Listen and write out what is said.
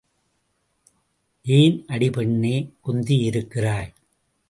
ஏன் அடி பெண்ணே, குந்தியிருக்கிறாய்?